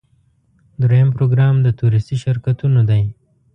دریم پروګرام د تورېستي شرکتونو دی.